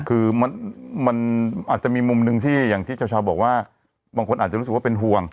คือมันอาจจะมีมุมหนึ่งที่อย่างที่ชาวบอกว่าบางคนอาจจะรู้สึกว่าเป็นห่วง